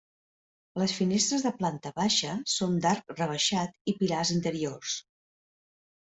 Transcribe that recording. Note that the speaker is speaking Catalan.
Les finestres de la planta baixa són d'arc rebaixat i pilars interiors.